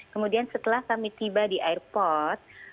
kemudian setelah kami tiba di airport